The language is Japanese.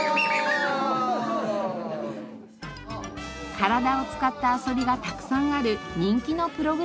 体を使った遊びがたくさんある人気のプログラムです。